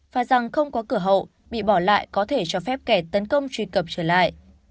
và rằng không có cửa hậu bị bỏ lại có thể cho phép kẻ tấn công truy cập trở lại